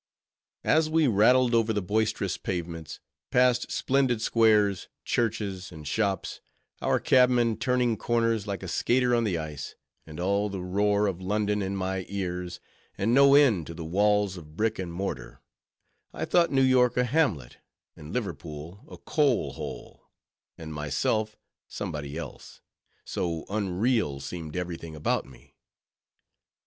As we rattled over the boisterous pavements, past splendid squares, churches, and shops, our cabman turning corners like a skater on the ice, and all the roar of London in my ears, and no end to the walls of brick and mortar; I thought New York a hamlet, and Liverpool a coal hole, and myself somebody else: so unreal seemed every thing about me.